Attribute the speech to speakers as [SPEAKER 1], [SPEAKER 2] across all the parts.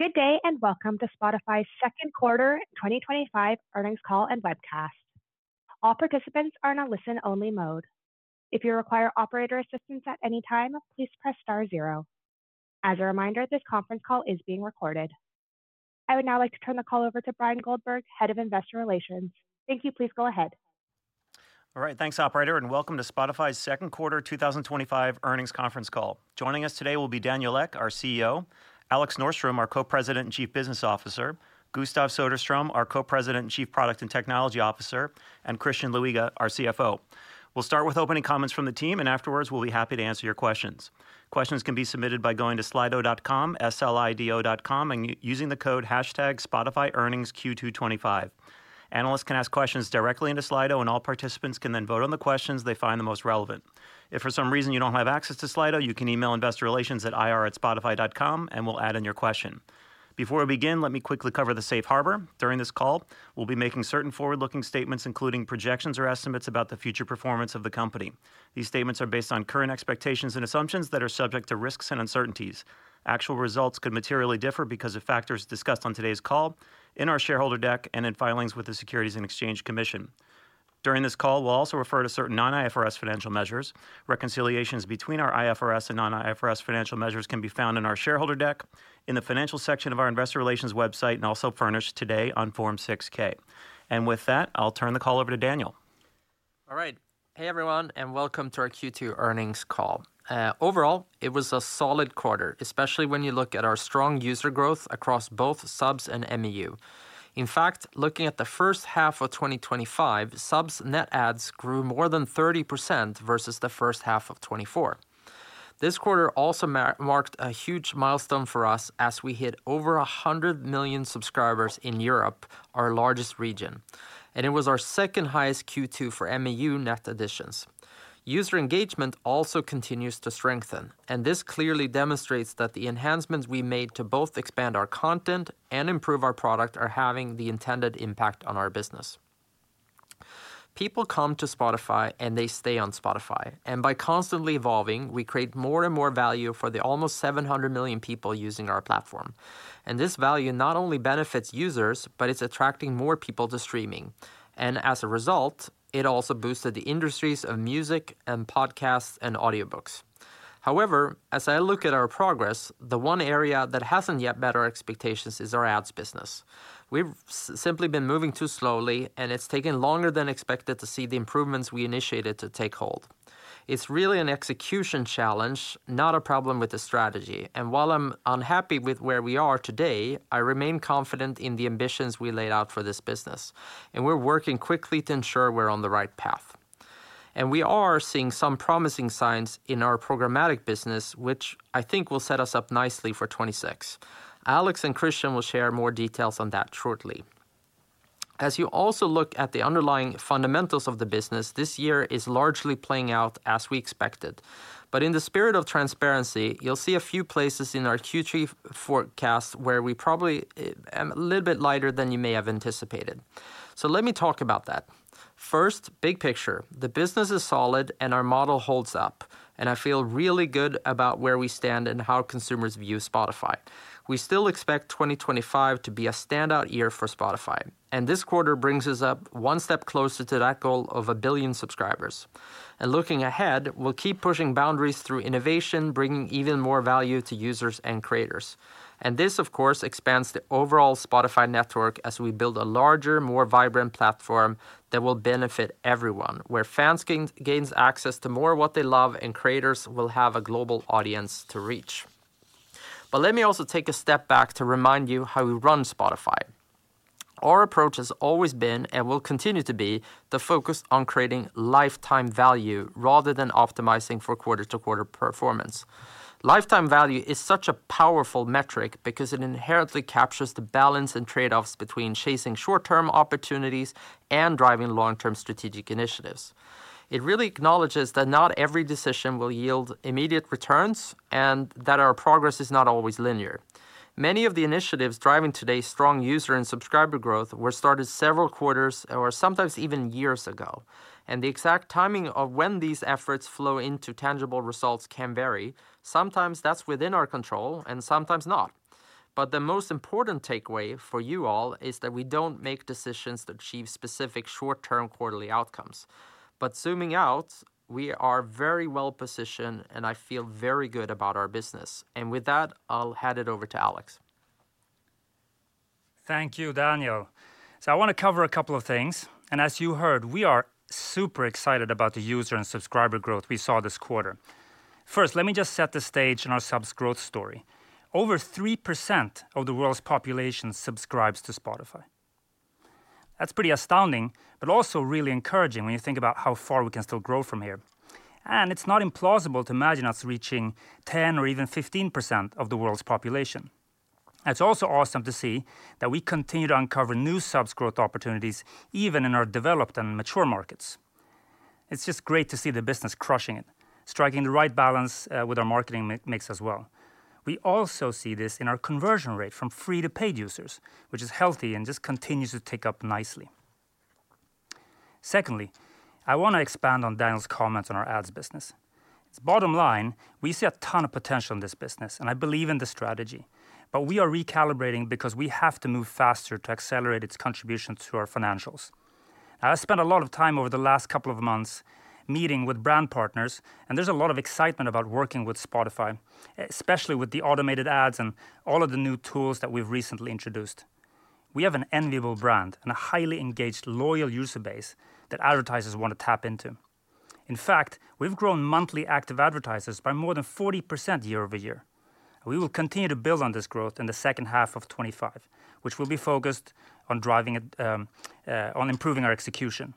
[SPEAKER 1] Good day and welcome to Spotify's Second Quarter 2025 Earnings Call and Webcast. All participants are in a listen-only mode. If you require operator assistance at any time, please press star zero. As a reminder, this conference call is being recorded. I would now like to turn the call over to Bryan Goldberg, Head of Investor Relations. Thank you. Please go ahead.
[SPEAKER 2] All right. Thanks, operator, and welcome to Spotify's Second Quarter 2025 Earnings Conference Call. Joining us today will be Daniel Ek, our CEO; Alex Norström, our Co-President and Chief Business Officer; Gustav Söderström, our Co-President and Chief Product and Technology Officer; and Christian Luiga, our CFO. We'll start with opening comments from the team, and afterwards we'll be happy to answer your questions. Questions can be submitted by going to slido.com, slido.com, and using the code #spotifyearningsq225. Analysts can ask questions directly into Slido, and all participants can then vote on the questions they find the most relevant. If for some reason you don't have access to Slido, you can email Investor Relations at ir@spotify.com, and we'll add in your question. Before we begin, let me quickly cover the safe harbor. During this call, we'll be making certain forward-looking statements, including projections or estimates about the future performance of the company. These statements are based on current expectations and assumptions that are subject to risks and uncertainties. Actual results could materially differ because of factors discussed on today's call, in our shareholder deck, and in filings with the Securities and Exchange Commission. During this call, we'll also refer to certain non-IFRS financial measures. Reconciliations between our IFRS and non-IFRS financial measures can be found in our shareholder deck, in the financials section of our investor relations website, and also furnished today on Form 6-K. With that, I'll turn the call over to Daniel.
[SPEAKER 3] All right. Hey, everyone, and welcome to our Q2 Earnings Call. Overall, it was a solid quarter, especially when you look at our strong user growth across both subs and MEU. In fact, looking at the first half of 2025, subs net ads grew more than 30% versus the first half of 2024. This quarter also marked a huge milestone for us as we hit over 100 million subscribers in Europe, our largest region, and it was our second highest Q2 for MEU net additions. User engagement also continues to strengthen, and this clearly demonstrates that the enhancements we made to both expand our content and improve our product are having the intended impact on our business. People come to Spotify, and they stay on Spotify. By constantly evolving, we create more and more value for the almost 700 million people using our platform. This value not only benefits users, but it's attracting more people to streaming. As a result, it also boosted the industries of music and podcasts and audiobooks. However, as I look at our progress, the one area that hasn't yet met our expectations is our ads business. We've simply been moving too slowly, and it's taken longer than expected to see the improvements we initiated take hold. It's really an execution challenge, not a problem with the strategy. While I'm unhappy with where we are today, I remain confident in the ambitions we laid out for this business, and we're working quickly to ensure we're on the right path. We are seeing some promising signs in our programmatic business, which I think will set us up nicely for 2026. Alex and Christian will share more details on that shortly. As you also look at the underlying fundamentals of the business, this year is largely playing out as we expected. In the spirit of transparency, you'll see a few places in our Q3 forecast where we probably are a little bit lighter than you may have anticipated. Let me talk about that. First, big picture. The business is solid, and our model holds up. I feel really good about where we stand and how consumers view Spotify. We still expect 2025 to be a standout year for Spotify. This quarter brings us up one step closer to that goal of a billion subscribers. Looking ahead, we'll keep pushing boundaries through innovation, bringing even more value to users and creators. This, of course, expands the overall Spotify network as we build a larger, more vibrant platform that will benefit everyone, where fans can gain access to more of what they love, and creators will have a global audience to reach. Let me also take a step back to remind you how we run Spotify. Our approach has always been, and will continue to be, focused on creating lifetime value rather than optimizing for quarter-to-quarter performance. Lifetime value is such a powerful metric because it inherently captures the balance and trade-offs between chasing short-term opportunities and driving long-term strategic initiatives. It really acknowledges that not every decision will yield immediate returns and that our progress is not always linear. Many of the initiatives driving today's strong user and subscriber growth were started several quarters or sometimes even years ago. The exact timing of when these efforts flow into tangible results can vary. Sometimes that's within our control and sometimes not. The most important takeaway for you all is that we do not make decisions that achieve specific short-term quarterly outcomes. Zooming out, we are very well positioned, and I feel very good about our business. With that, I'll hand it over to Alex.
[SPEAKER 4] Thank you, Daniel. I want to cover a couple of things. As you heard, we are super excited about the user and subscriber growth we saw this quarter. First, let me just set the stage in our subs growth story. Over 3% of the world's population subscribes to Spotify. That is pretty astounding, but also really encouraging when you think about how far we can still grow from here. It is not implausible to imagine us reaching 10% or even 15% of the world's population. It is also awesome to see that we continue to uncover new subs growth opportunities even in our developed and mature markets. It is just great to see the business crushing it, striking the right balance with our marketing mix as well. We also see this in our conversion rate from free to paid users, which is healthy and just continues to tick up nicely. Secondly, I want to expand on Daniel's comments on our ads business. Bottom line, we see a ton of potential in this business, and I believe in the strategy. We are recalibrating because we have to move faster to accelerate its contribution to our financials. I spent a lot of time over the last couple of months meeting with brand partners, and there is a lot of excitement about working with Spotify, especially with the automated ads and all of the new tools that we have recently introduced. We have an enviable brand and a highly engaged, loyal user base that advertisers want to tap into. In fact, we have grown monthly active advertisers by more than 40% year-over-year. We will continue to build on this growth in the second half of 2025, which will be focused on improving our execution.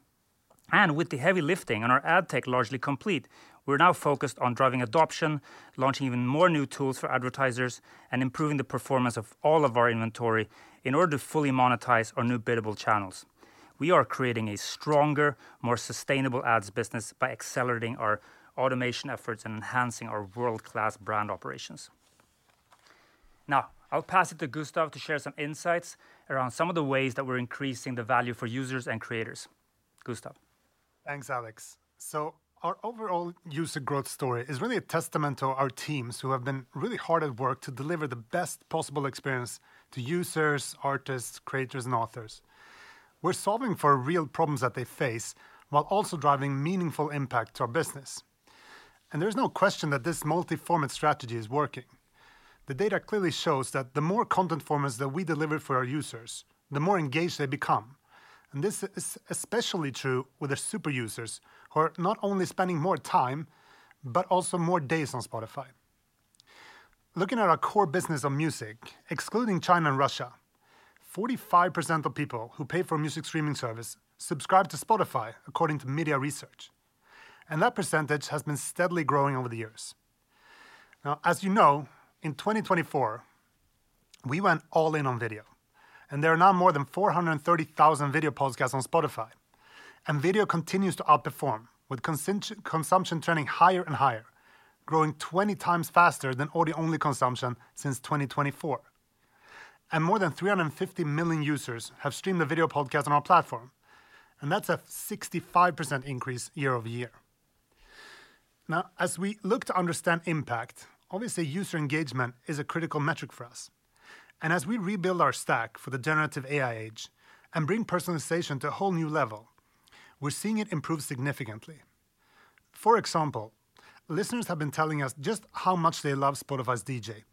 [SPEAKER 4] With the heavy lifting and our ad tech largely complete, we are now focused on driving adoption, launching even more new tools for advertisers, and improving the performance of all of our inventory in order to fully monetize our new bidable channels. We are creating a stronger, more sustainable ads business by accelerating our automation efforts and enhancing our world-class brand operations. Now, I will pass it to Gustav to share some insights around some of the ways that we are increasing the value for users and creators. Gustav.
[SPEAKER 5] Thanks, Alex. Our overall user growth story is really a testament to our teams who have been really hard at work to deliver the best possible experience to users, artists, creators, and authors. We are solving for real problems that they face while also driving meaningful impact to our business. There is no question that this multi-format strategy is working. The data clearly shows that the more content formats that we deliver for our users, the more engaged they become. This is especially true with our super users who are not only spending more time but also more days on Spotify. Looking at our core business of music, excluding China and Russia, 45% of people who pay for a music streaming service subscribe to Spotify, according to media research. That percentage has been steadily growing over the years. As you know, in 2024, we went all in on video. There are now more than 430,000 video podcasts on Spotify. Video continues to outperform, with consumption trending higher and higher, growing 20 times faster than audio-only consumption since 2024. More than 350 million users have streamed the video podcast on our platform. That is a 65% increase year-over-year. As we look to understand impact, obviously, user engagement is a critical metric for us. As we rebuild our stack for the generative AI age and bring personalization to a whole new level, we are seeing it improve significantly. For example, listeners have been telling us just how much they love Spotify's DJ,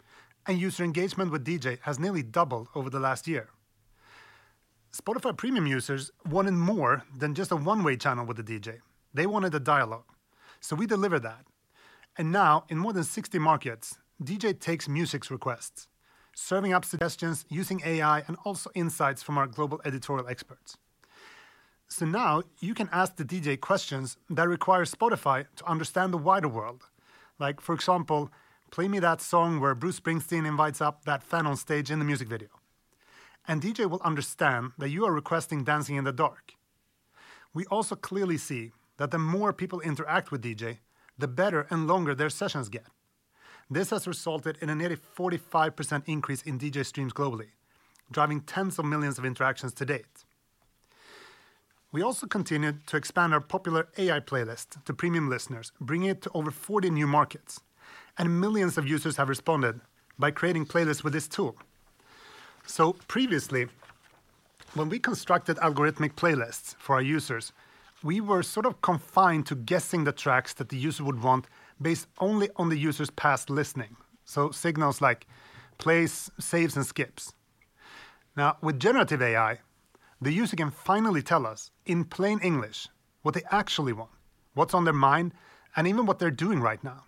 [SPEAKER 5] and user engagement with DJ has nearly doubled over the last year. Spotify Premium users wanted more than just a one-way channel with the DJ. They wanted a dialogue. We delivered that. Now, in more than 60 markets, DJ takes music requests, serving up suggestions using AI and also insights from our global editorial experts. Now you can ask the DJ questions that require Spotify to understand the wider world, like, for example, play me that song where Bruce Springsteen invites up that fan on stage in the music video. DJ will understand that you are requesting Dancing in the Dark. We also clearly see that the more people interact with DJ, the better and longer their sessions get. This has resulted in a nearly 45% increase in DJ streams globally, driving tens of millions of interactions to date. We also continue to expand our popular AI playlists to premium listeners, bringing it to over 40 new markets. Millions of users have responded by creating playlists with this tool. Previously, when we constructed algorithmic playlists for our users, we were sort of confined to guessing the tracks that the user would want based only on the user's past listening, so signals like plays, saves, and skips. Now, with generative AI, the user can finally tell us in plain English what they actually want, what's on their mind, and even what they're doing right now.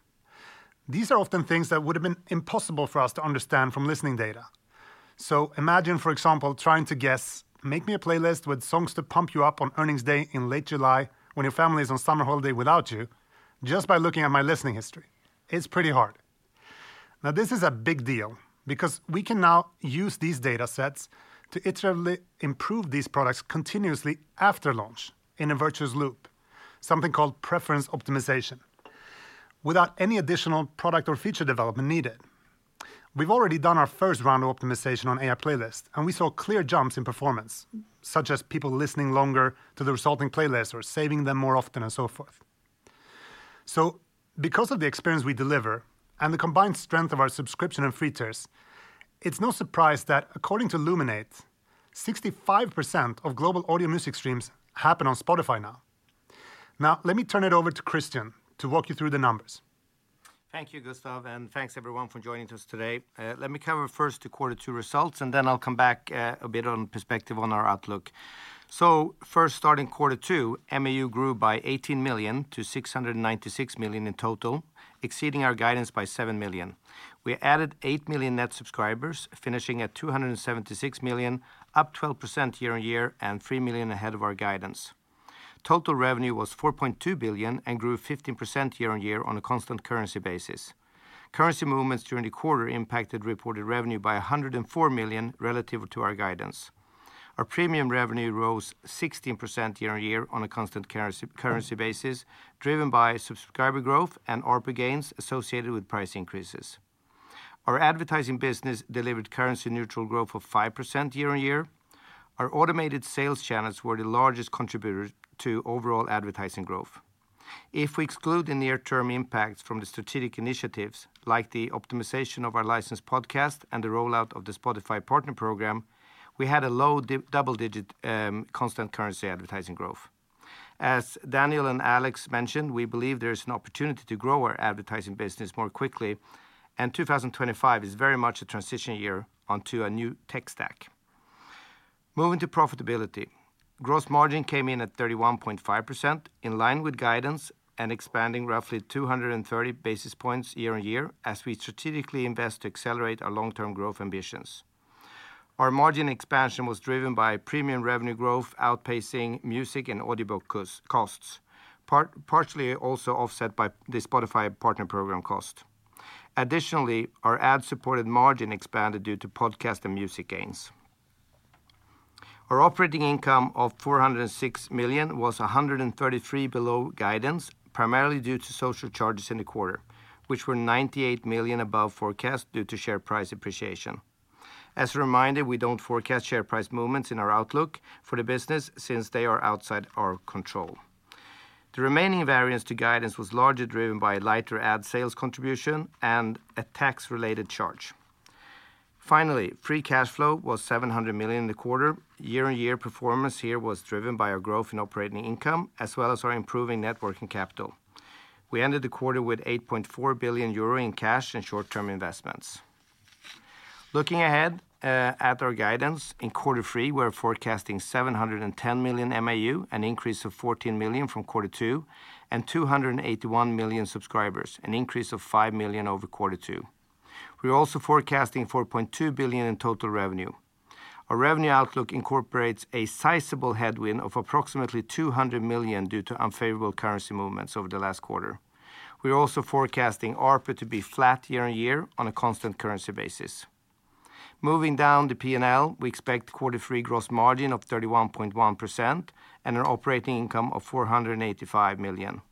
[SPEAKER 5] These are often things that would have been impossible for us to understand from listening data. Imagine, for example, trying to guess, "Make me a playlist with songs to pump you up on earnings day in late July when your family is on summer holiday without you" just by looking at my listening history. It's pretty hard. This is a big deal because we can now use these data sets to iteratively improve these products continuously after launch in a virtuous loop, something called preference optimization, without any additional product or feature development needed. We've already done our first round of optimization on AI playlists, and we saw clear jumps in performance, such as people listening longer to the resulting playlist or saving them more often and so forth. Because of the experience we deliver and the combined strength of our subscription and free tiers, it's no surprise that, according to Luminate, 65% of global audio music streams happen on Spotify now. Let me turn it over to Christian to walk you through the numbers.
[SPEAKER 6] Thank you, Gustav, and thanks, everyone, for joining us today. Let me cover first the quarter two results, and then I'll come back a bit on perspective on our outlook. First, starting quarter two, MEU grew by 18 million to 696 million in total, exceeding our guidance by 7 million. We added 8 million net subscribers, finishing at 276 million, up 12% year-on-year and 3 million ahead of our guidance. Total revenue was 4.2 billion and grew 15% year-on-year on a constant currency basis. Currency movements during the quarter impacted reported revenue by 104 million relative to our guidance. Our premium revenue rose 16% year-on-year on a constant currency basis, driven by subscriber growth and ARPA gains associated with price increases. Our advertising business delivered currency-neutral growth of 5% year-on-year. Our automated sales channels were the largest contributor to overall advertising growth. If we exclude the near-term impacts from the strategic initiatives, like the optimization of our licensed podcast and the rollout of the Spotify Partner Program, we had a low double-digit constant currency advertising growth. As Daniel and Alex mentioned, we believe there is an opportunity to grow our advertising business more quickly, and 2025 is very much a transition year onto a new tech stack. Moving to profitability, gross margin came in at 31.5%, in line with guidance and expanding roughly 230 basis points year-on-year as we strategically invest to accelerate our long-term growth ambitions. Our margin expansion was driven by premium revenue growth outpacing music and audiobook costs. Partially also offset by the Spotify Partner Program cost. Additionally, our ad-supported margin expanded due to podcast and music gains. Our operating income of 406 million was 133 million below guidance, primarily due to social charges in the quarter, which were 98 million above forecast due to share price appreciation. As a reminder, we don't forecast share price movements in our outlook for the business since they are outside our control. The remaining variance to guidance was largely driven by a lighter ad sales contribution and a tax-related charge. Finally, free cash flow was 700 million in the quarter. Year-on-year performance here was driven by our growth in operating income as well as our improving networking capital. We ended the quarter with 8.4 billion euro in cash and short-term investments. Looking ahead at our guidance in quarter three, we're forecasting 710 million MEU, an increase of 14 million from quarter two, and 281 million subscribers, an increase of 5 million over quarter two. We're also forecasting $4.2 billion in total revenue. Our revenue outlook incorporates a sizable headwind of approximately $200 million due to unfavorable currency movements over the last quarter. We're also forecasting ARPA to be flat year-on-year on a constant currency basis. Moving down the P&L, we expect quarter three gross margin of 31.1% and an operating income of $485 million.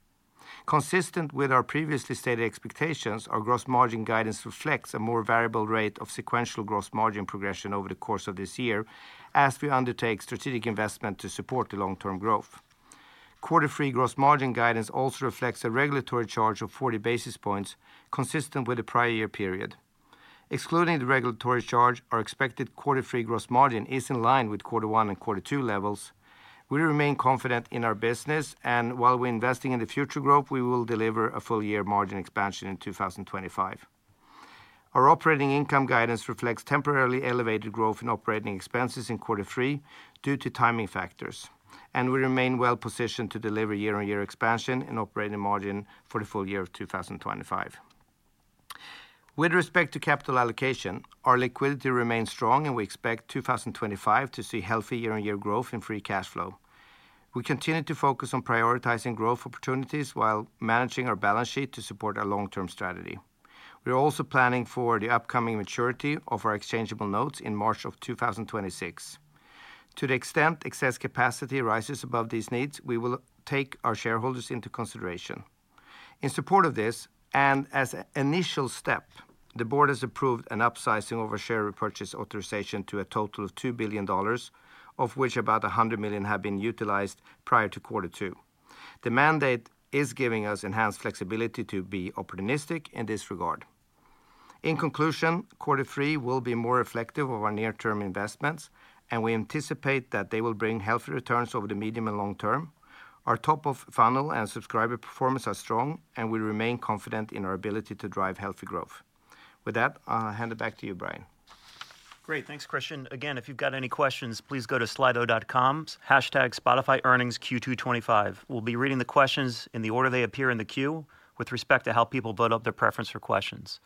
[SPEAKER 6] Consistent with our previously stated expectations, our gross margin guidance reflects a more variable rate of sequential gross margin progression over the course of this year as we undertake strategic investment to support the long-term growth. Quarter three gross margin guidance also reflects a regulatory charge of 40 basis points consistent with the prior year period. Excluding the regulatory charge, our expected quarter three gross margin is in line with quarter one and quarter two levels. We remain confident in our business, and while we're investing in the future growth, we will deliver a full-year margin expansion in 2025. Our operating income guidance reflects temporarily elevated growth in operating expenses in quarter three due to timing factors. We remain well-positioned to deliver year-on-year expansion in operating margin for the full year of 2025. With respect to capital allocation, our liquidity remains strong, and we expect 2025 to see healthy year-on-year growth in free cash flow. We continue to focus on prioritizing growth opportunities while managing our balance sheet to support our long-term strategy. We're also planning for the upcoming maturity of our exchangeable notes in March of 2026. To the extent excess capacity rises above these needs, we will take our shareholders into consideration. In support of this, and as an initial step, the board has approved an upsizing of our share repurchase authorization to a total of $2 billion, of which about $100 million have been utilized prior to quarter two. The mandate is giving us enhanced flexibility to be opportunistic in this regard. In conclusion, quarter three will be more reflective of our near-term investments, and we anticipate that they will bring healthy returns over the medium and long term. Our top-of-funnel and subscriber performance are strong, and we remain confident in our ability to drive healthy growth. With that, I'll hand it back to you, Bryan.
[SPEAKER 2] Great. Thanks, Christian. Again, if you've got any questions, please go to slido.com#SpotifyEarningsQ225. We'll be reading the questions in the order they appear in the queue with respect to how people vote up their preference for questions.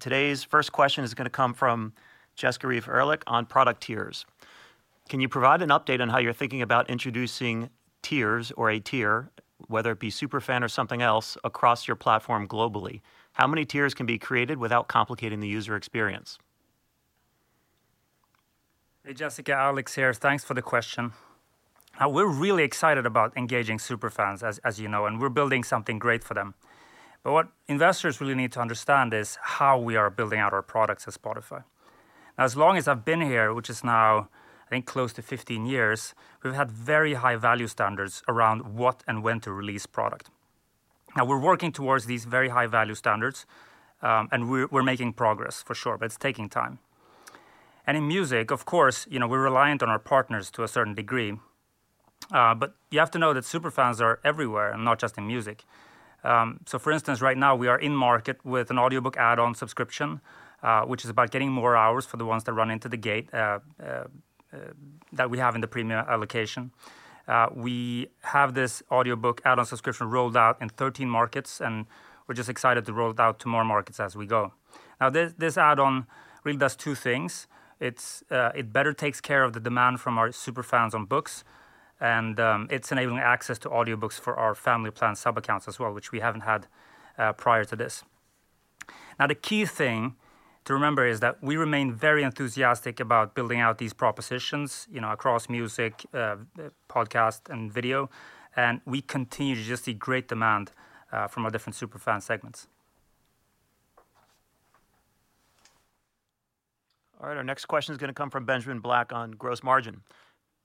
[SPEAKER 2] Today's first question is going to come from Jessica Reeve Ehrlich on product tiers. Can you provide an update on how you're thinking about introducing tiers or a tier, whether it be superfan or something else, across your platform globally? How many tiers can be created without complicating the user experience?
[SPEAKER 4] Hey, Jessica. Alex here. Thanks for the question. Now, we're really excited about engaging superfans, as you know, and we're building something great for them. What investors really need to understand is how we are building out our products at Spotify. Now, as long as I've been here, which is now, I think, close to 15 years, we've had very high value standards around what and when to release product. We're working towards these very high value standards, and we're making progress, for sure, but it's taking time. In music, of course, we're reliant on our partners to a certain degree. You have to know that superfans are everywhere and not just in music. For instance, right now, we are in market with an audiobook add-on subscription, which is about getting more hours for the ones that run into the gate that we have in the premium allocation. We have this audiobook add-on subscription rolled out in 13 markets, and we're just excited to roll it out to more markets as we go. This add-on really does two things. It better takes care of the demand from our superfans on books, and it's enabling access to audiobooks for our family plan subaccounts as well, which we haven't had prior to this. The key thing to remember is that we remain very enthusiastic about building out these propositions across music, podcast and video, and we continue to just see great demand from our different superfan segments.
[SPEAKER 2] All right. Our next question is going to come from Benjamin Black on gross margin.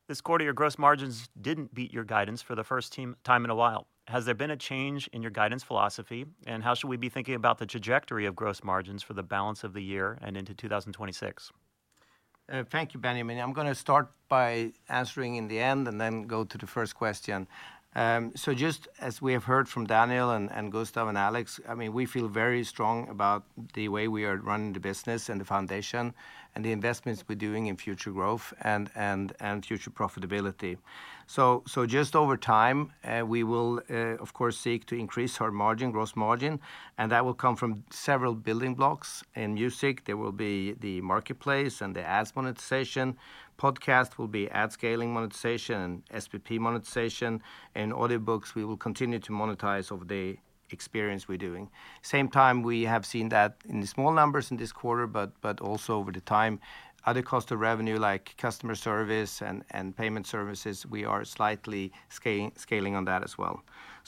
[SPEAKER 2] This quarter, your gross margins did not beat your guidance for the first time in a while. Has there been a change in your guidance philosophy, and how should we be thinking about the trajectory of gross margins for the balance of the year and into 2026?
[SPEAKER 6] Thank you, Benjamin. I'm going to start by answering in the end and then go to the first question. Just as we have heard from Daniel and Gustav and Alex, I mean, we feel very strong about the way we are running the business and the foundation and the investments we're doing in future growth and future profitability. Just over time, we will, of course, seek to increase our margin, gross margin, and that will come from several building blocks in music. There will be the marketplace and the ads monetization. Podcast will be ad scaling monetization and SPP monetization and audiobooks, we will continue to monetize over the experience we're doing. At the same time, we have seen that in the small numbers in this quarter, but also over the time, other costs of revenue like customer service and payment services, we are slightly scaling on that as well.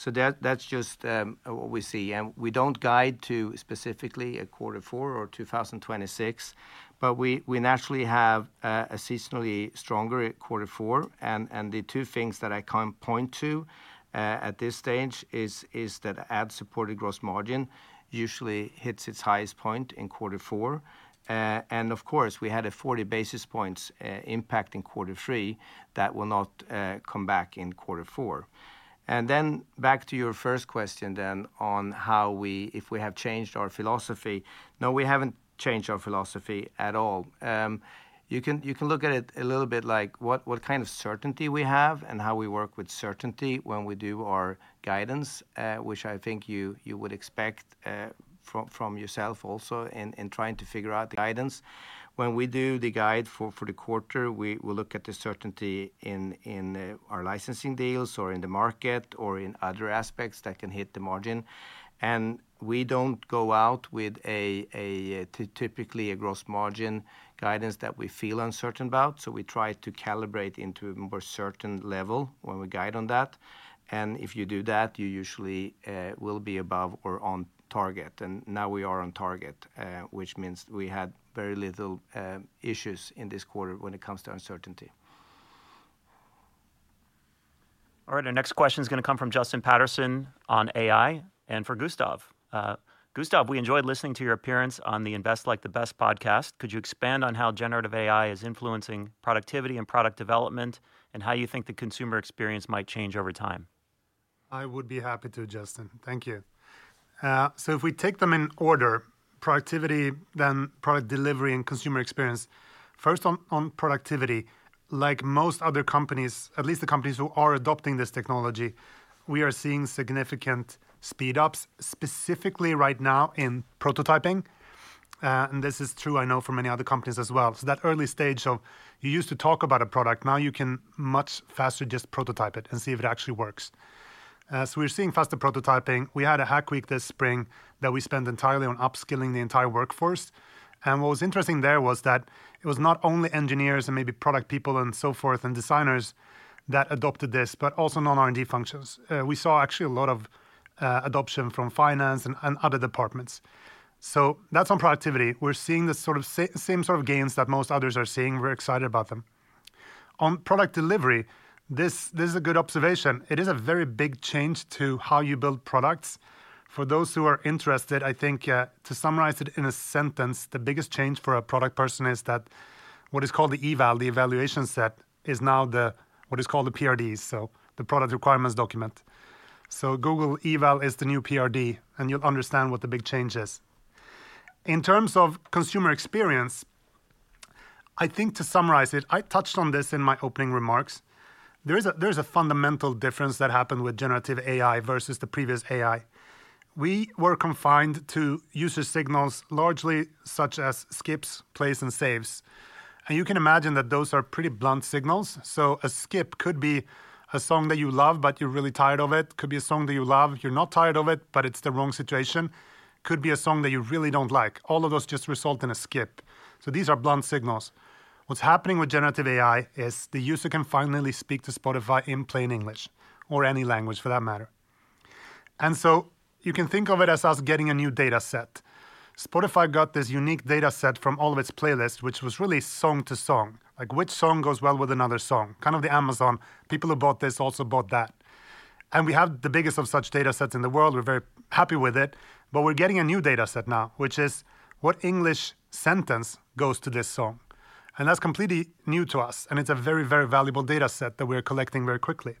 [SPEAKER 6] That's just what we see. We don't guide to specifically a quarter four or 2026, but we naturally have a seasonally stronger quarter four. The two things that I can point to at this stage is that ad-supported gross margin usually hits its highest point in quarter four. Of course, we had a 40 basis points impact in quarter three that will not come back in quarter four. Back to your first question then on how we, if we have changed our philosophy. No, we haven't changed our philosophy at all. You can look at it a little bit like what kind of certainty we have and how we work with certainty when we do our guidance, which I think you would expect. From yourself also in trying to figure out the guidance. When we do the guide for the quarter, we will look at the certainty in our licensing deals or in the market or in other aspects that can hit the margin. We don't go out with typically a gross margin guidance that we feel uncertain about. We try to calibrate into a more certain level when we guide on that. If you do that, you usually will be above or on target. Now we are on target, which means we had very little issues in this quarter when it comes to uncertainty.
[SPEAKER 2] All right. Our next question is going to come from Justin Patterson on AI and for Gustav. Gustav, we enjoyed listening to your appearance on the Invest Like the Best podcast. Could you expand on how generative AI is influencing productivity and product development and how you think the consumer experience might change over time?
[SPEAKER 5] I would be happy to, Justin. Thank you. If we take them in order, productivity, then product delivery, and consumer experience. First on productivity, like most other companies, at least the companies who are adopting this technology, we are seeing significant speed-ups, specifically right now in prototyping. This is true, I know, for many other companies as well. That early stage of you used to talk about a product, now you can much faster just prototype it and see if it actually works. We are seeing faster prototyping. We had a hack week this spring that we spent entirely on upskilling the entire workforce. What was interesting there was that it was not only engineers and maybe product people and so forth and designers that adopted this, but also non-R&D functions. We saw actually a lot of adoption from finance and other departments. That is on productivity. We are seeing the same sort of gains that most others are seeing. We are excited about them. On product delivery, this is a good observation. It is a very big change to how you build products. For those who are interested, I think to summarize it in a sentence, the biggest change for a product person is that what is called the eval, the evaluation set, is now what is called the PRDs, so the product requirements document. Google eval is the new PRD, and you will understand what the big change is. In terms of consumer experience, I think to summarize it, I touched on this in my opening remarks. There is a fundamental difference that happened with generative AI versus the previous AI. We were confined to user signals largely such as skips, plays, and saves. You can imagine that those are pretty blunt signals. A skip could be a song that you love, but you are really tired of it. It could be a song that you love, you are not tired of it, but it is the wrong situation. It could be a song that you really do not like. All of those just result in a skip. These are blunt signals. What is happening with generative AI is the user can finally speak to Spotify in plain English or any language for that matter. You can think of it as us getting a new data set. Spotify got this unique data set from all of its playlists, which was really song to song, like which song goes well with another song. Kind of the Amazon, people who bought this also bought that. We have the biggest of such data sets in the world. We are very happy with it. We're getting a new data set now, which is what English sentence goes to this song. That is completely new to us. It is a very, very valuable data set that we're collecting very quickly.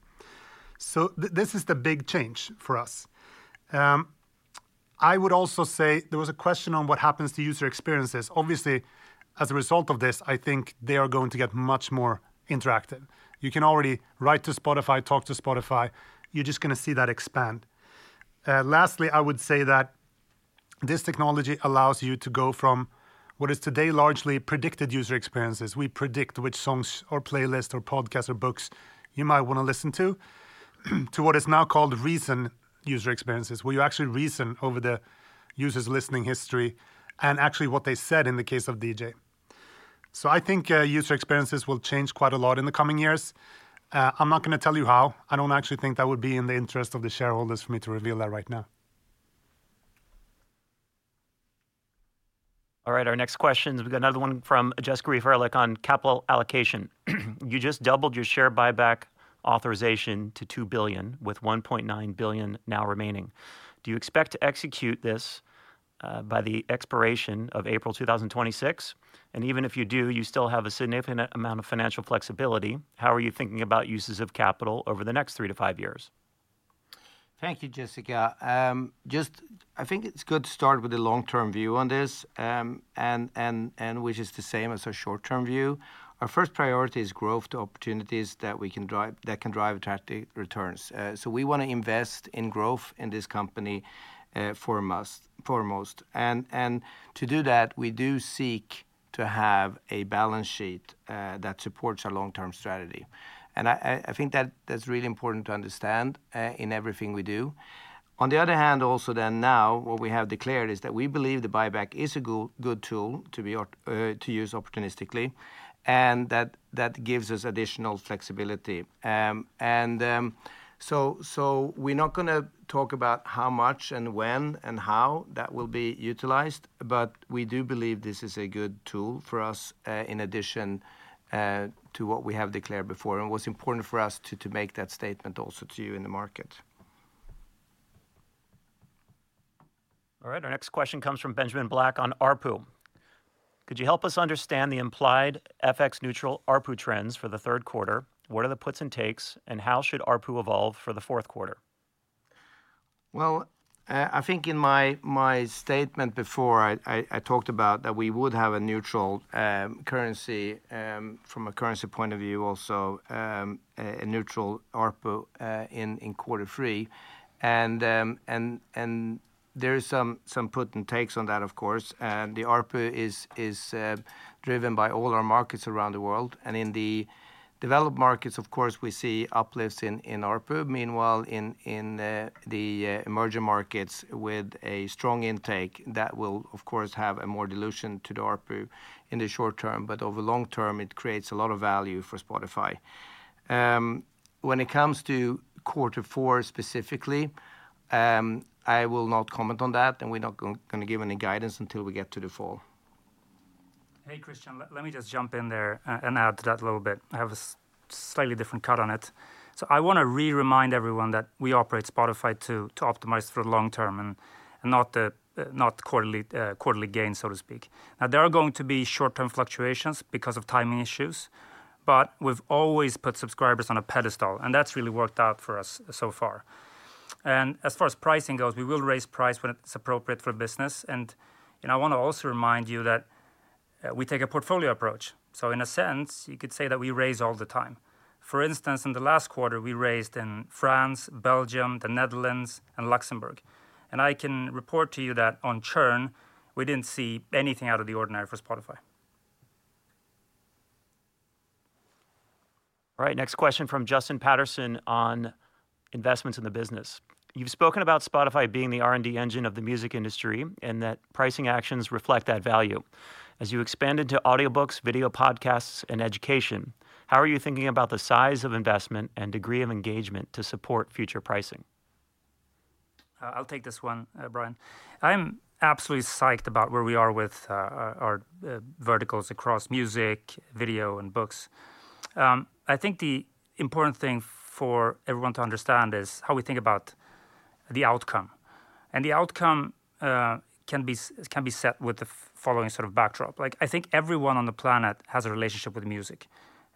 [SPEAKER 5] This is the big change for us. I would also say there was a question on what happens to user experiences. Obviously, as a result of this, I think they are going to get much more interactive. You can already write to Spotify, talk to Spotify. You're just going to see that expand. Lastly, I would say that this technology allows you to go from what is today largely predicted user experiences. We predict which songs or playlists or podcasts or books you might want to listen to, to what is now called reason user experiences, where you actually reason over the user's listening history and actually what they said in the case of DJ. I think user experiences will change quite a lot in the coming years. I'm not going to tell you how. I do not actually think that would be in the interest of the shareholders for me to reveal that right now.
[SPEAKER 2] All right. Our next question. We've got another one from Jessica Reeve Ehrlich on capital allocation. You just doubled your share buyback authorization to $2 billion, with $1.9 billion now remaining. Do you expect to execute this by the expiration of April 2026? Even if you do, you still have a significant amount of financial flexibility. How are you thinking about uses of capital over the next three to five years?
[SPEAKER 6] Thank you, Jessica. I think it's good to start with a long-term view on this, which is the same as a short-term view. Our first priority is growth opportunities that can drive attractive returns. We want to invest in growth in this company, foremost. To do that, we do seek to have a balance sheet that supports our long-term strategy, and I think that's really important to understand in everything we do. On the other hand, what we have declared is that we believe the buyback is a good tool to use opportunistically, and that gives us additional flexibility. We're not going to talk about how much and when and how that will be utilized, but we do believe this is a good tool for us in addition to what we have declared before, and it's important for us to make that statement also to you in the market.
[SPEAKER 2] All right. Our next question comes from Benjamin Black on ARPU. Could you help us understand the implied FX neutral ARPU trends for the third quarter? What are the puts and takes, and how should ARPU evolve for the fourth quarter?
[SPEAKER 6] I think in my statement before, I talked about that we would have a neutral currency from a currency point of view also. A neutral ARPU in quarter three. There are some puts and takes on that, of course. The ARPU is driven by all our markets around the world. In the developed markets, of course, we see uplifts in ARPU. Meanwhile, in the emerging markets, with a strong intake, that will, of course, have more dilution to the ARPU in the short term. Over the long term, it creates a lot of value for Spotify. When it comes to quarter four specifically, I will not comment on that, and we're not going to give any guidance until we get to the fall.
[SPEAKER 4] Hey, Christian, let me just jump in there and add to that a little bit. I have a slightly different cut on it. I want to re-remind everyone that we operate Spotify to optimize for the long term and not quarterly gains, so to speak. There are going to be short-term fluctuations because of timing issues, but we've always put subscribers on a pedestal, and that's really worked out for us so far. As far as pricing goes, we will raise price when it's appropriate for the business. I want to also remind you that we take a portfolio approach. In a sense, you could say that we raise all the time. For instance, in the last quarter, we raised in France, Belgium, the Netherlands, and Luxembourg. I can report to you that on churn, we didn't see anything out of the ordinary for Spotify.
[SPEAKER 2] All right. Next question from Justin Patterson on investments in the business. You've spoken about Spotify being the R&D engine of the music industry and that pricing actions reflect that value. As you expanded to audiobooks, video podcasts, and education, how are you thinking about the size of investment and degree of engagement to support future pricing?
[SPEAKER 4] I'll take this one, Bryan. I'm absolutely psyched about where we are with our verticals across music, video, and books. I think the important thing for everyone to understand is how we think about the outcome. The outcome can be set with the following sort of backdrop. I think everyone on the planet has a relationship with music,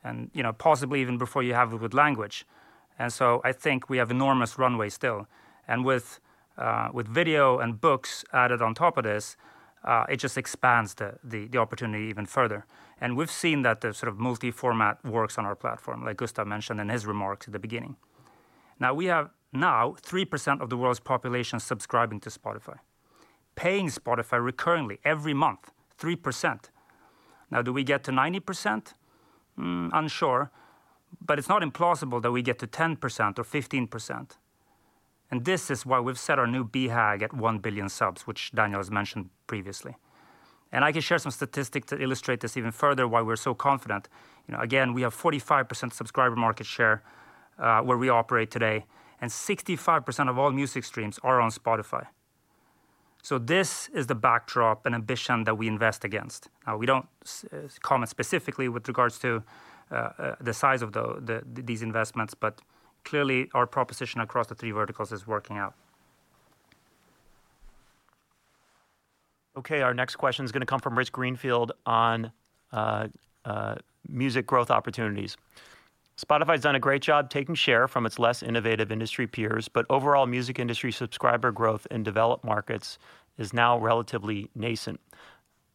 [SPEAKER 4] and possibly even before you have it with language. I think we have enormous runway still. With video and books added on top of this, it just expands the opportunity even further. We've seen that the sort of multi-format works on our platform, like Gustav mentioned in his remarks at the beginning. We have now 3% of the world's population subscribing to Spotify, paying Spotify recurrently every month, 3%. Do we get to 90%? Unsure. It's not implausible that we get to 10% or 15%. This is why we've set our new BHAG at 1 billion subs, which Daniel has mentioned previously. I can share some statistics to illustrate this even further, why we're so confident. Again, we have 45% subscriber market share where we operate today, and 65% of all music streams are on Spotify. This is the backdrop and ambition that we invest against. We don't comment specifically with regards to the size of these investments, but clearly our proposition across the three verticals is working out.
[SPEAKER 2] Okay. Our next question is going to come from Rich Greenfield on music growth opportunities. Spotify has done a great job taking share from its less innovative industry peers, but overall music industry subscriber growth in developed markets is now relatively nascent.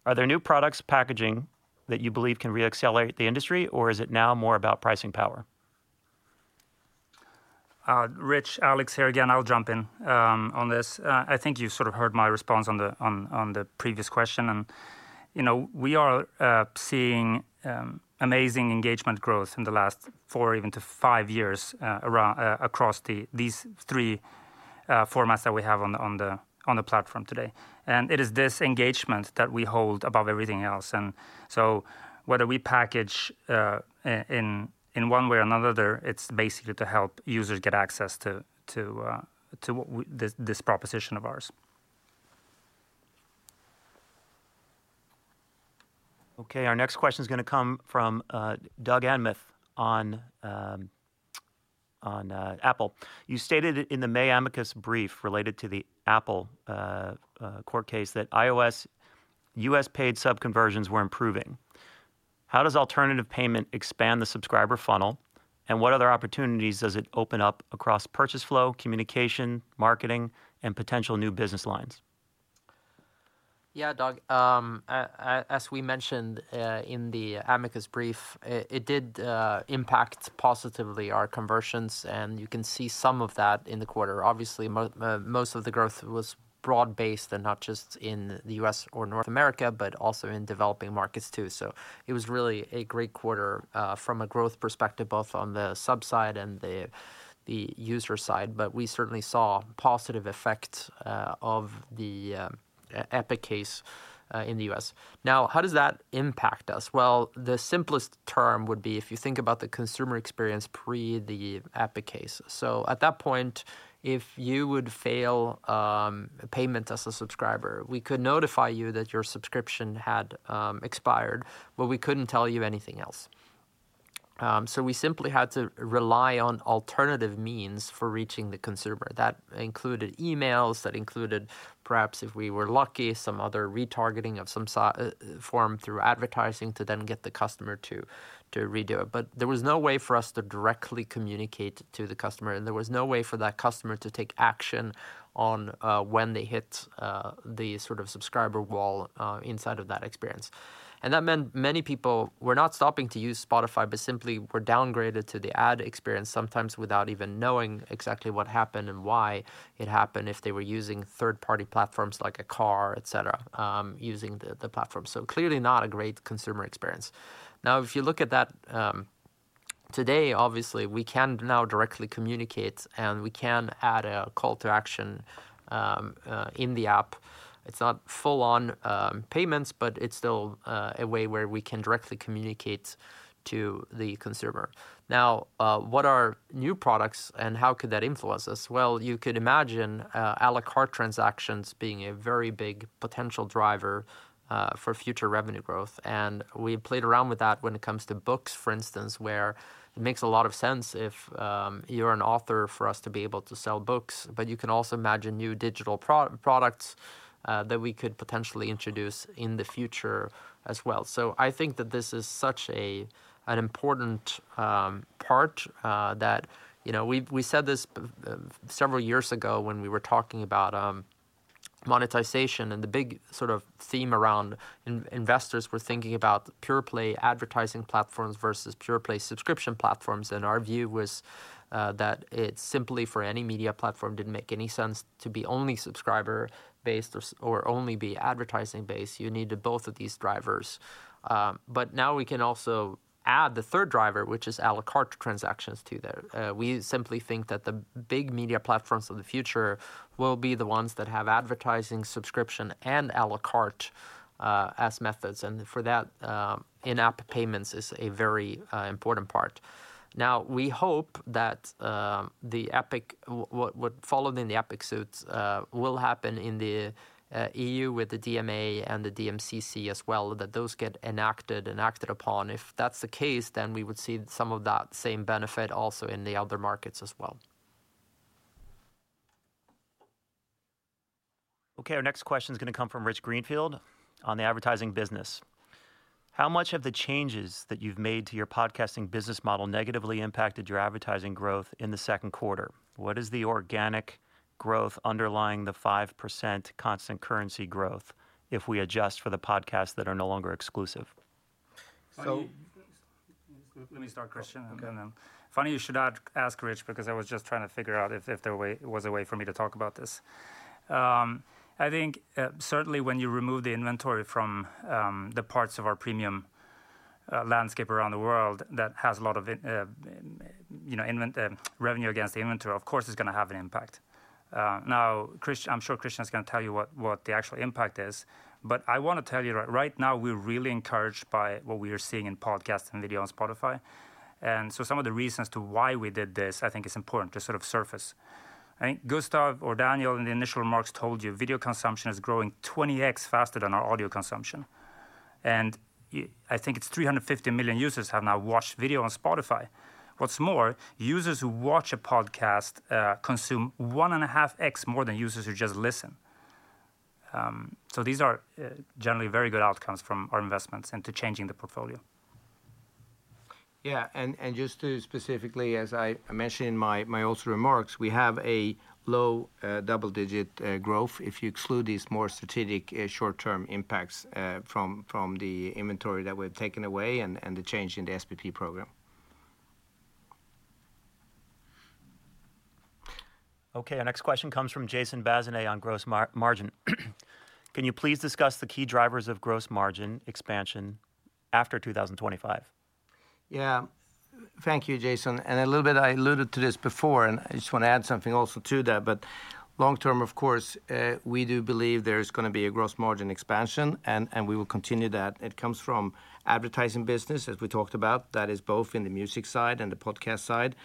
[SPEAKER 2] Are there new products packaging that you believe can re-accelerate the industry, or is it now more about pricing power?
[SPEAKER 4] Rich, Alex here again. I'll jump in on this. I think you sort of heard my response on the previous question. We are seeing amazing engagement growth in the last four, even to five years. Across these three formats that we have on the platform today. It is this engagement that we hold above everything else. Whether we package in one way or another, it's basically to help users get access to this proposition of ours.
[SPEAKER 2] Okay. Our next question is going to come from Doug Anmuth on Apple. You stated in the May amicus brief related to the Apple court case that iOS U.S.-paid sub-conversions were improving. How does alternative payment expand the subscriber funnel, and what other opportunities does it open up across purchase flow, communication, marketing, and potential new business lines?
[SPEAKER 3] Yeah, Doug. As we mentioned in the amicus brief, it did impact positively our conversions, and you can see some of that in the quarter. Obviously, most of the growth was broad-based and not just in the U.S. or North America, but also in developing markets too. It was really a great quarter from a growth perspective, both on the sub-side and the user side. We certainly saw positive effects of the Epic case in the U.S. Now, how does that impact us? The simplest term would be if you think about the consumer experience pre the Epic case. At that point, if you would fail payment as a subscriber, we could notify you that your subscription had expired, but we could not tell you anything else. We simply had to rely on alternative means for reaching the consumer. That included emails, that included perhaps, if we were lucky, some other retargeting of some form through advertising to then get the customer to redo it. There was no way for us to directly communicate to the customer, and there was no way for that customer to take action on when they hit the sort of subscriber wall inside of that experience. That meant many people were not stopping to use Spotify, but simply were downgraded to the ad experience sometimes without even knowing exactly what happened and why it happened if they were using third-party platforms like a car, etc., using the platform. Clearly not a great consumer experience. If you look at that today, obviously, we can now directly communicate, and we can add a call-to-action in the app. It is not full-on payments, but it is still a way where we can directly communicate to the consumer. What are new products and how could that influence us? You could imagine à la carte transactions being a very big potential driver for future revenue growth. We played around with that when it comes to books, for instance, where it makes a lot of sense if you are an author for us to be able to sell books. You can also imagine new digital products that we could potentially introduce in the future as well. I think that this is such an important part that we said this several years ago when we were talking about monetization and the big sort of theme around investors were thinking about Pure-Play advertising platforms versus Pure-Play subscription platforms. Our view was that it simply for any media platform did not make any sense to be only subscriber-based or only be advertising-based. You needed both of these drivers. Now we can also add the third driver, which is à la carte transactions to that. We simply think that the big media platforms of the future will be the ones that have advertising, subscription, and à la carte as methods. For that, in-app payments is a very important part. We hope that what followed in the Epic suits will happen in the EU with the DMA and the DMCC as well, that those get enacted and acted upon. If that's the case, then we would see some of that same benefit also in the other markets as well.
[SPEAKER 2] Okay. Our next question is going to come from Rich Greenfield on the advertising business. How much have the changes that you've made to your podcasting business model negatively impacted your advertising growth in the second quarter? What is the organic growth underlying the 5% constant currency growth if we adjust for the podcasts that are no longer exclusive?
[SPEAKER 4] Let me start, Christian. Funny you should ask, Rich, because I was just trying to figure out if there was a way for me to talk about this. I think certainly when you remove the inventory from the parts of our premium landscape around the world that has a lot of revenue against the inventory, of course, it's going to have an impact. Now, I'm sure Christian is going to tell you what the actual impact is. I want to tell you right now, we're really encouraged by what we are seeing in podcasts and video on Spotify. Some of the reasons to why we did this, I think, is important to sort of surface. I think Gustav or Daniel in the initial remarks told you video consumption is growing 20x faster than our audio consumption. I think it's 350 million users have now watched video on Spotify. What's more, users who watch a podcast consume 1.5x more than users who just listen. These are generally very good outcomes from our investments into changing the portfolio.
[SPEAKER 6] Yeah. Just to specifically, as I mentioned in my also remarks, we have a low double-digit growth if you exclude these more strategic short-term impacts from the inventory that we have taken away and the change in the SPP program.
[SPEAKER 2] Okay. Our next question comes from Jason Bazinet on gross margin. Can you please discuss the key drivers of gross margin expansion after 2025?
[SPEAKER 6] Yeah. Thank you, Jason. I alluded to this before, and I just want to add something also to that. Long-term, of course, we do believe there's going to be a gross margin expansion, and we will continue that. It comes from advertising business, as we talked about. That is both in the music side and the podcast side,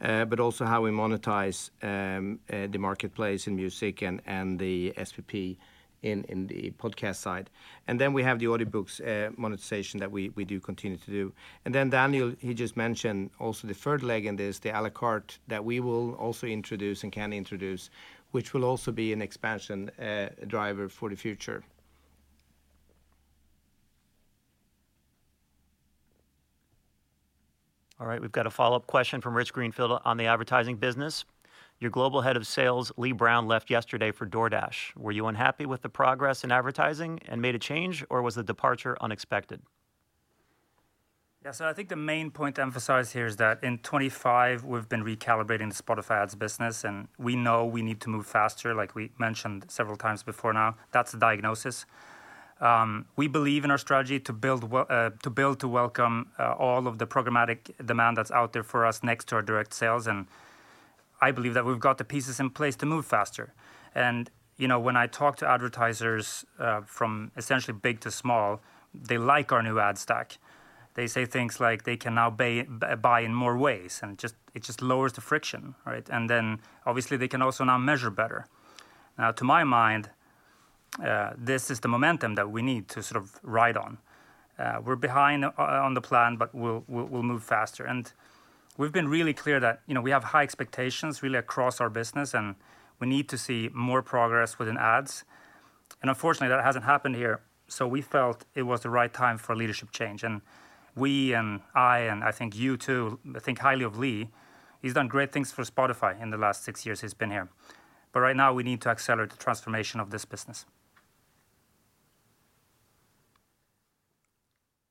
[SPEAKER 6] but also how we monetize. The marketplace in music and the SPP in the podcast side. Then we have the audiobooks monetization that we do continue to do. Daniel, he just mentioned also the third leg in this, the à la carte that we will also introduce and can introduce, which will also be an expansion driver for the future.
[SPEAKER 2] All right. We've got a follow-up question from Rich Greenfield on the advertising business. Your Global Head of Sales, Lee Brown, left yesterday for DoorDash. Were you unhappy with the progress in advertising and made a change, or was the departure unexpected?
[SPEAKER 4] Yeah. I think the main point to emphasize here is that in 2025, we've been recalibrating the Spotify ads business, and we know we need to move faster, like we mentioned several times before now. That's the diagnosis. We believe in our strategy to build. To welcome all of the programmatic demand that's out there for us next to our direct sales. I believe that we've got the pieces in place to move faster. When I talk to advertisers from essentially big to small, they like our new ad stack. They say things like they can now buy in more ways, and it just lowers the friction. Obviously, they can also now measure better. To my mind, this is the momentum that we need to sort of ride on. We're behind on the plan, but we'll move faster. We've been really clear that we have high expectations really across our business, and we need to see more progress within ads. Unfortunately, that hasn't happened here. We felt it was the right time for a leadership change. I think you too think highly of Lee. He's done great things for Spotify in the last six years he's been here. Right now, we need to accelerate the transformation of this business.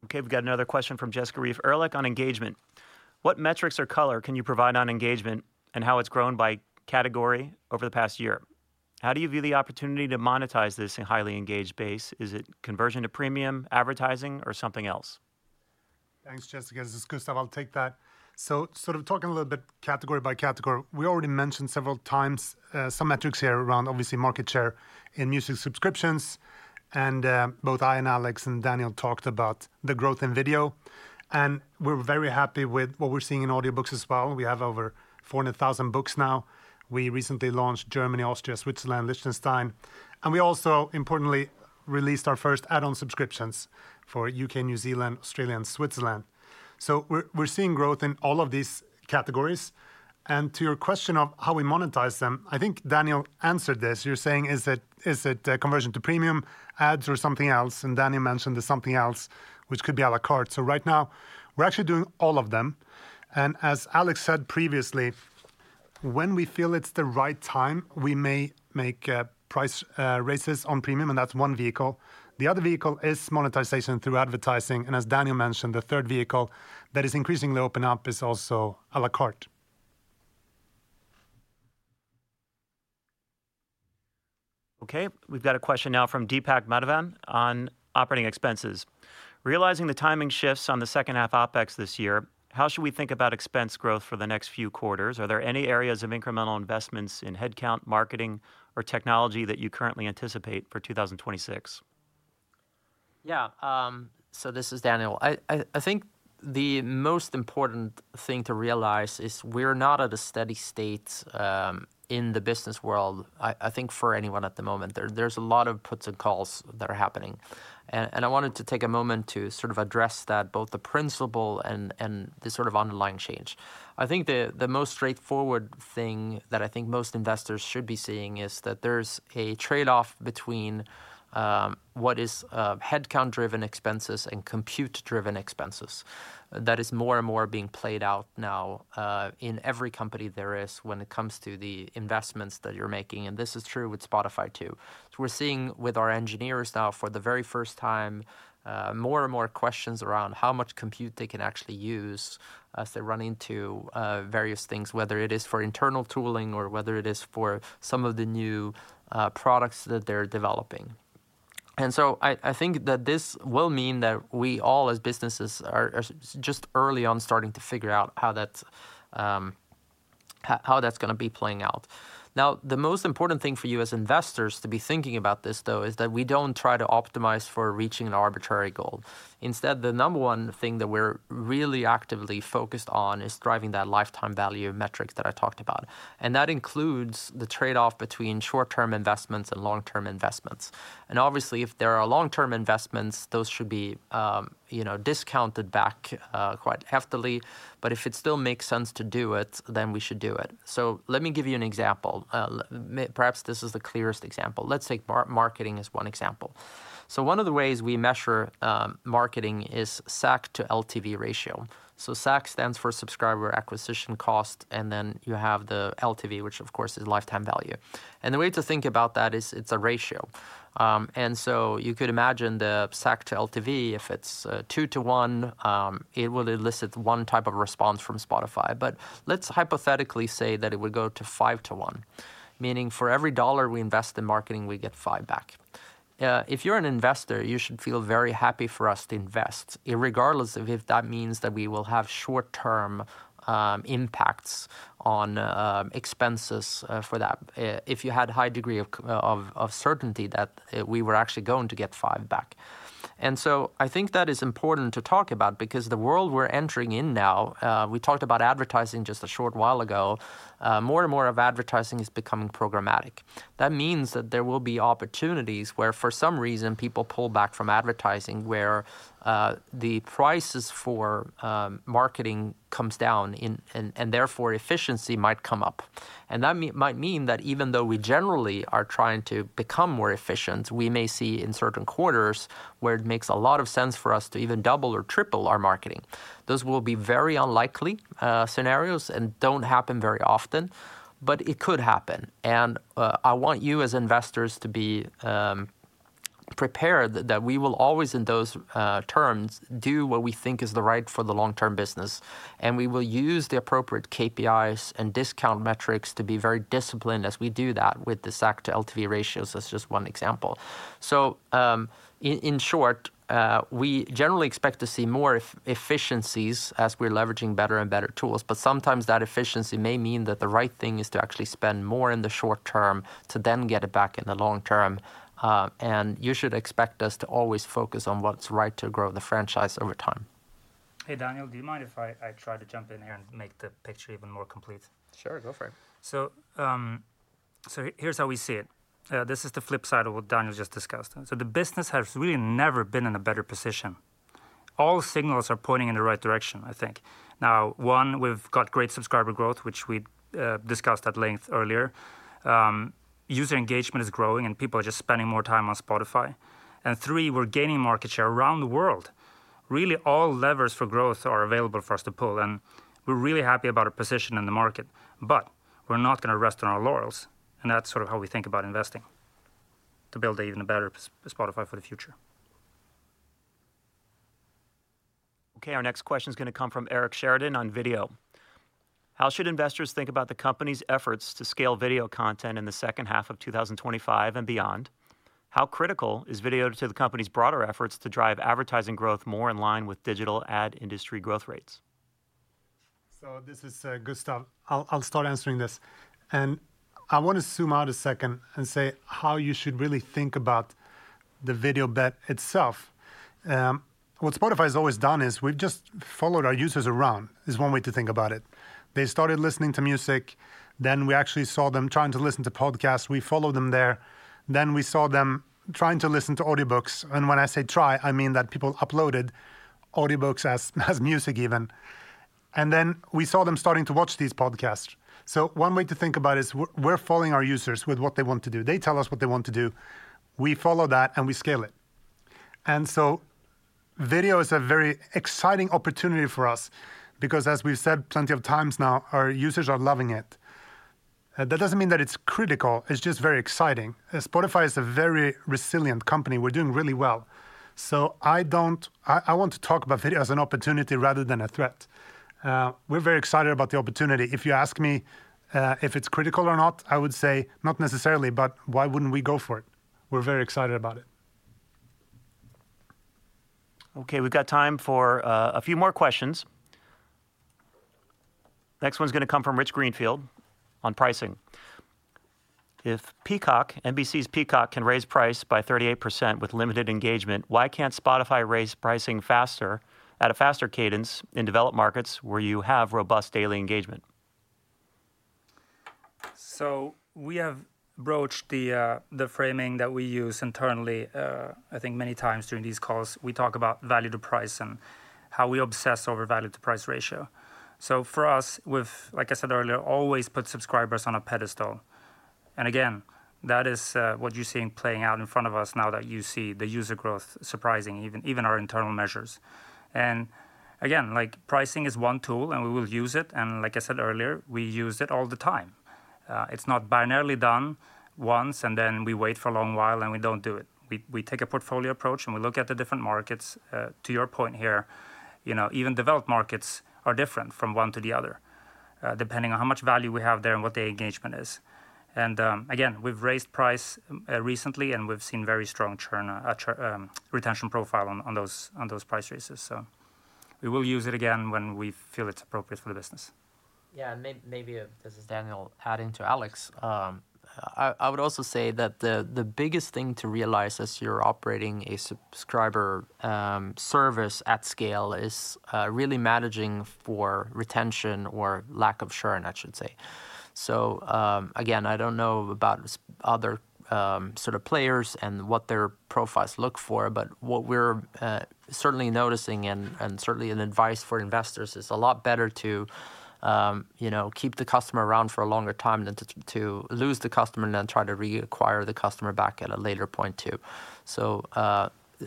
[SPEAKER 2] Okay. We have got another question from Jessica Reeve Ehrlich on engagement. What metrics or color can you provide on engagement and how it has grown by category over the past year? How do you view the opportunity to monetize this in a highly engaged base? Is it conversion to premium, advertising, or something else?
[SPEAKER 5] Thanks, Jessica. This is Gustav. I'll take that. Sort of talking a little bit category by category, we already mentioned several times some metrics here around obviously market share in music subscriptions. Both I and Alex and Daniel talked about the growth in video. We're very happy with what we're seeing in audiobooks as well. We have over 400,000 books now. We recently launched Germany, Austria, Switzerland, Liechtenstein. We also, importantly, released our first add-on subscriptions for U.K., New Zealand, Australia, and Switzerland. We're seeing growth in all of these categories. To your question of how we monetize them, I think Daniel answered this. You're saying, is it conversion to premium ads or something else? Daniel mentioned there's something else which could be à la carte. Right now, we're actually doing all of them. As Alex said previously, when we feel it's the right time, we may make price raises on premium, and that's one vehicle. The other vehicle is monetization through advertising. As Daniel mentioned, the third vehicle that is increasingly opening up is also à la carte.
[SPEAKER 2] Okay. We've got a question now from Deepak Madhavan on operating expenses. Realizing the timing shifts on the second half OpEx this year, how should we think about expense growth for the next few quarters? Are there any areas of incremental investments in headcount, marketing, or technology that you currently anticipate for 2026?
[SPEAKER 3] Yeah. This is Daniel. I think the most important thing to realize is we're not at a steady state. In the business world, I think, for anyone at the moment. There's a lot of puts and calls that are happening. I wanted to take a moment to sort of address that, both the principle and the sort of underlying change. I think the most straightforward thing that I think most investors should be seeing is that there's a trade-off between what is headcount-driven expenses and compute-driven expenses that is more and more being played out now in every company there is when it comes to the investments that you're making. This is true with Spotify too. We're seeing with our engineers now for the very first time, more and more questions around how much compute they can actually use as they run into various things, whether it is for internal tooling or whether it is for some of the new products that they're developing. I think that this will mean that we all as businesses are just early on starting to figure out how that's going to be playing out. Now, the most important thing for you as investors to be thinking about this, though, is that we don't try to optimize for reaching an arbitrary goal. Instead, the number one thing that we're really actively focused on is driving that lifetime value metric that I talked about. That includes the trade-off between short-term investments and long-term investments. Obviously, if there are long-term investments, those should be discounted back quite heftily. If it still makes sense to do it, then we should do it. Let me give you an example. Perhaps this is the clearest example. Let's take marketing as one example. One of the ways we measure marketing is SAC to LTV ratio. SAC stands for subscriber acquisition cost, and then you have the LTV, which of course is lifetime value. The way to think about that is it's a ratio. You could imagine the SAC to LTV, if it's 2 to 1, it will elicit one type of response from Spotify. Let's hypothetically say that it would go to 5 to 1, meaning for every dollar we invest in marketing, we get 5 back. If you're an investor, you should feel very happy for us to invest, regardless of if that means that we will have short-term impacts on expenses for that, if you had a high degree of certainty that we were actually going to get 5 back. I think that is important to talk about because the world we are entering in now, we talked about advertising just a short while ago, more and more of advertising is becoming programmatic. That means that there will be opportunities where, for some reason, people pull back from advertising where the prices for marketing come down. Therefore, efficiency might come up. That might mean that even though we generally are trying to become more efficient, we may see in certain quarters where it makes a lot of sense for us to even double or triple our marketing. Those will be very unlikely scenarios and do not happen very often, but it could happen. I want you as investors to be prepared that we will always, in those terms, do what we think is right for the long-term business. We will use the appropriate KPIs and discount metrics to be very disciplined as we do that with the SAC to LTV ratios as just one example. In short, we generally expect to see more efficiencies as we are leveraging better and better tools. Sometimes that efficiency may mean that the right thing is to actually spend more in the short term to then get it back in the long term. You should expect us to always focus on what is right to grow the franchise over time.
[SPEAKER 4] Hey, Daniel, do you mind if I try to jump in here and make the picture even more complete?
[SPEAKER 3] Sure. Go for it.
[SPEAKER 4] Here's how we see it. This is the flip side of what Daniel just discussed. The business has really never been in a better position. All signals are pointing in the right direction, I think. Now, one, we've got great subscriber growth, which we discussed at length earlier. User engagement is growing, and people are just spending more time on Spotify. Three, we're gaining market share around the world. Really, all levers for growth are available for us to pull. We're really happy about our position in the market. We're not going to rest on our laurels. That's sort of how we think about investing. To build an even better Spotify for the future.
[SPEAKER 2] Okay. Our next question is going to come from Eric Sheridan on video. How should investors think about the company's efforts to scale video content in the second half of 2025 and beyond? How critical is video to the company's broader efforts to drive advertising growth more in line with digital ad industry growth rates?
[SPEAKER 5] This is Gustav. I'll start answering this. I want to zoom out a second and say how you should really think about the video bet itself. What Spotify has always done is we've just followed our users around, is one way to think about it. They started listening to music. Then we actually saw them trying to listen to podcasts. We followed them there. Then we saw them trying to listen to audiobooks. When I say try, I mean that people uploaded audiobooks as music even. Then we saw them starting to watch these podcasts. One way to think about it is we're following our users with what they want to do. They tell us what they want to do. We follow that and we scale it. Video is a very exciting opportunity for us because, as we've said plenty of times now, our users are loving it. That does not mean that it's critical. It's just very exciting. Spotify is a very resilient company. We're doing really well. I want to talk about video as an opportunity rather than a threat. We're very excited about the opportunity. If you ask me if it's critical or not, I would say not necessarily, but why would we not go for it? We're very excited about it.
[SPEAKER 2] Okay. We've got time for a few more questions. Next one's going to come from Rich Greenfield on pricing. If Peacock NBC's Peacock can raise price by 38% with limited engagement, why can't Spotify raise pricing faster at a faster cadence in developed markets where you have robust daily engagement?
[SPEAKER 4] We have broached the framing that we use internally. I think many times during these calls, we talk about value to price and how we obsess over value to price ratio. For us, we've, like I said earlier, always put subscribers on a pedestal. Again, that is what you're seeing playing out in front of us now that you see the user growth surprising even our internal measures. Pricing is one tool, and we will use it. Like I said earlier, we use it all the time. It's not binarily done once, and then we wait for a long while and we don't do it. We take a portfolio approach, and we look at the different markets. To your point here, even developed markets are different from one to the other depending on how much value we have there and what the engagement is. We've raised price recently, and we've seen very strong retention profile on those price raises. We will use it again when we feel it's appropriate for the business.
[SPEAKER 3] Yeah. Maybe this is Daniel adding to Alex. I would also say that the biggest thing to realize as you're operating a subscriber service at scale is really managing for retention or lack of churn, I should say. I don't know about other sort of players and what their profiles look for, but what we're certainly noticing and certainly an advice for investors is a lot better to keep the customer around for a longer time than to lose the customer and then try to reacquire the customer back at a later point too.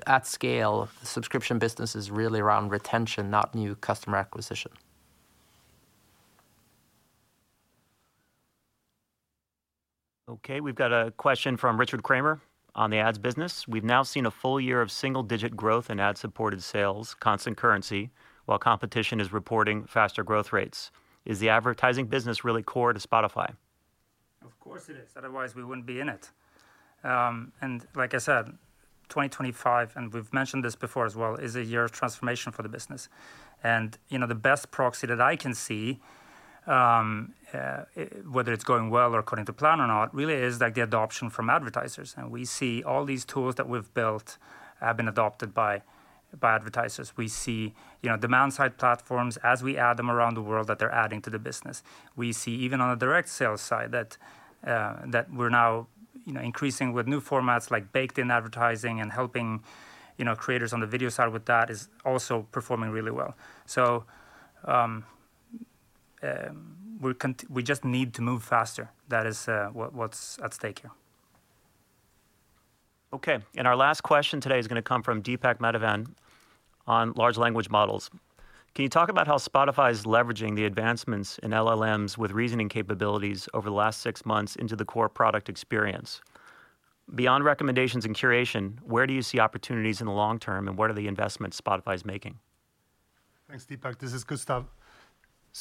[SPEAKER 3] At scale, the subscription business is really around retention, not new customer acquisition.
[SPEAKER 2] Okay. We've got a question from Richard Kramer on the ads business. We've now seen a full year of single-digit growth in ad-supported sales, constant currency, while competition is reporting faster growth rates. Is the advertising business really core to Spotify?
[SPEAKER 4] Of course it is. Otherwise, we wouldn't be in it. Like I said, 2025, and we've mentioned this before as well, is a year of transformation for the business. The best proxy that I can see, whether it's going well or according to plan or not, really is the adoption from advertisers. We see all these tools that we've built have been adopted by advertisers. We see demand-side platforms as we add them around the world that they're adding to the business. We see even on the direct sales side that we're now increasing with new formats like baked-in advertising and helping creators on the video side with that is also performing really well. We just need to move faster. That is what's at stake here.
[SPEAKER 2] Okay. Our last question today is going to come from Deepak Madhavan on large language models. Can you talk about how Spotify is leveraging the advancements in LLMs with reasoning capabilities over the last six months into the core product experience? Beyond recommendations and curation, where do you see opportunities in the long term and where are the investments Spotify is making?
[SPEAKER 5] Thanks, Deepak. This is Gustav.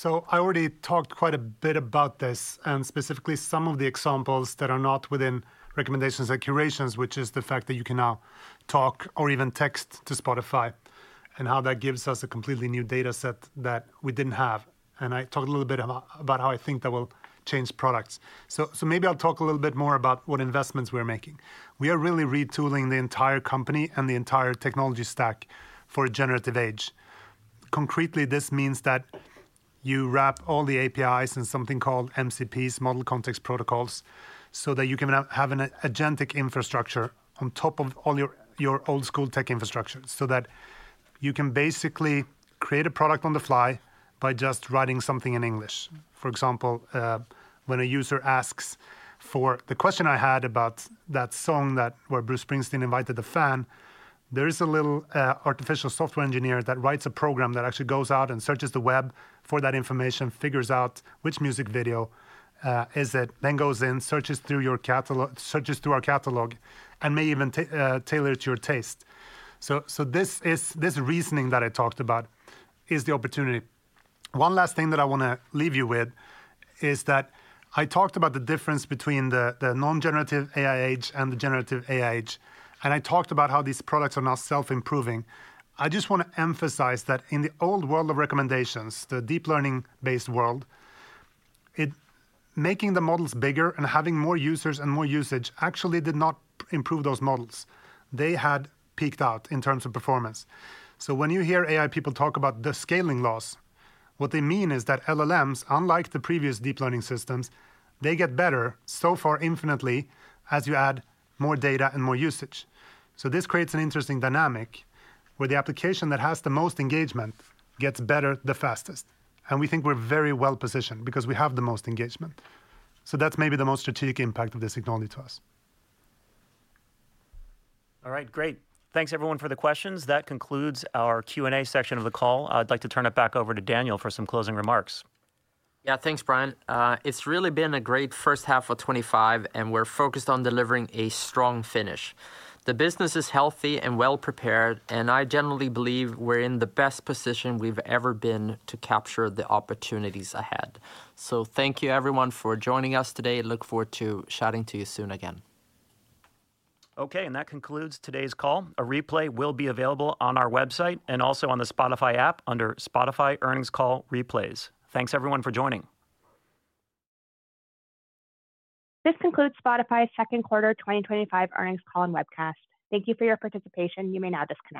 [SPEAKER 5] I already talked quite a bit about this and specifically some of the examples that are not within recommendations and curations, which is the fact that you can now talk or even text to Spotify and how that gives us a completely new data set that we did not have. I talked a little bit about how I think that will change products. Maybe I will talk a little bit more about what investments we are making. We are really retooling the entire company and the entire technology stack for a generative age. Concretely, this means that you wrap all the APIs in something called MCPs, Model Context Protocols, so that you can have an agentic infrastructure on top of all your old-school tech infrastructure so that you can basically create a product on the fly by just writing something in English. For example, when a user asks for the question I had about that song where Bruce Springsteen invited the fan, there is a little artificial software engineer that writes a program that actually goes out and searches the web for that information, figures out which music video it is, then goes in, searches through our catalog, and may even tailor it to your taste. This reasoning that I talked about is the opportunity. One last thing that I want to leave you with is that I talked about the difference between the non-generative AI age and the generative AI age. I talked about how these products are now self-improving. I just want to emphasize that in the old world of recommendations, the deep learning-based world, making the models bigger and having more users and more usage actually did not improve those models. They had peaked out in terms of performance. When you hear AI people talk about the scaling loss, what they mean is that LLMs, unlike the previous deep learning systems, they get better so far infinitely as you add more data and more usage. This creates an interesting dynamic where the application that has the most engagement gets better the fastest. We think we are very well positioned because we have the most engagement. That is maybe the most strategic impact of this technology to us.
[SPEAKER 2] All right. Great. Thanks, everyone, for the questions. That concludes our Q&A section of the call. I'd like to turn it back over to Daniel for some closing remarks.
[SPEAKER 3] Yeah. Thanks, Bryan. It has really been a great first half of 2025, and we are focused on delivering a strong finish. The business is healthy and well-prepared, and I generally believe we are in the best position we have ever been to capture the opportunities ahead. Thank you, everyone, for joining us today. I look forward to chatting to you soon again.
[SPEAKER 2] Okay. That concludes today's call. A replay will be available on our website and also on the Spotify app under Spotify Earnings Call Replays. Thanks, everyone, for joining.
[SPEAKER 1] This concludes Spotify's Second Quarter 2025 Earnings Call and Webcast. Thank you for your participation. You may now disconnect.